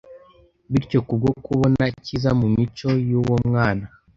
bityo kubwo kubona icyiza mu mico y’uwo mwana